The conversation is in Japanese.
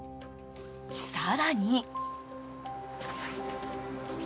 更に。